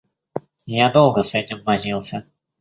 Я долго с этим возился.